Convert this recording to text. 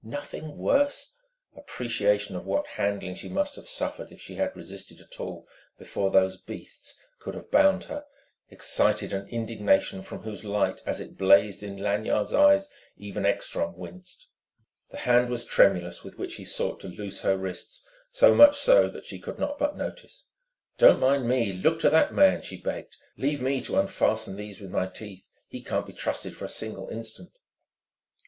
"Nothing worse!" Appreciation of what handling she must have suffered, if she had resisted at all, before those beasts could have bound her, excited an indignation from whose light, as it blazed in Lanyard's eyes, even Ekstrom winced. The hand was tremulous with which he sought to loose her wrists, so much so that she could not but notice. "Don't mind me look to that man!" she begged. "Leave me to unfasten these with my teeth. He can't be trusted for a single instant."